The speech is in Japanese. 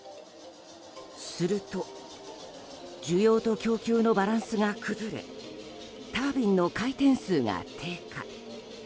すると、需要と供給のバランスが崩れタービンの回転数が低下。